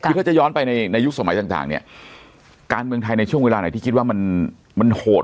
คือถ้าจะย้อนไปในยุคสมัยต่างเนี่ยการเมืองไทยในช่วงเวลาไหนที่คิดว่ามันโหด